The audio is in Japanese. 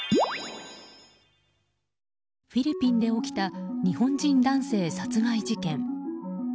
フィリピンで起きた日本人男性殺害事件。